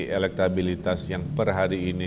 elektabilitas yang per hari ini